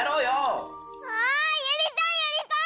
あやりたいやりたい！